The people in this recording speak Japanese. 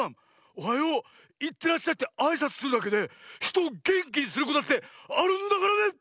「おはよう」「いってらっしゃい」ってあいさつするだけでひとをげんきにすることだってあるんだからね！